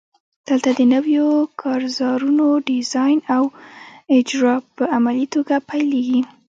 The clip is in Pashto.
دلته د نویو کارزارونو ډیزاین او اجرا په عملي توګه پیلیږي.